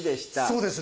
そうです。